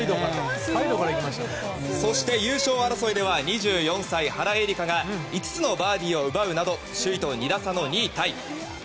そして優勝争いでは２４歳、原英莉花が５つのバーディーを奪うなど首位と２打差の２位タイ。